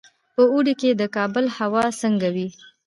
په اوړي کې د کابل هوا څنګه وي؟